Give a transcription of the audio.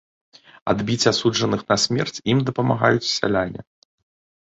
Адбіць асуджаных на смерць ім дапамагаюць сяляне.